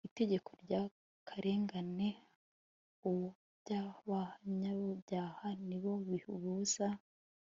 ltegeko ryakarengane ahubgabanyabyaha ni bo bibuza